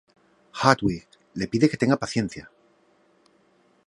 Hartwig, le pide que tenga paciencia.